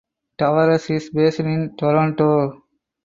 Tavares is based in Toronto.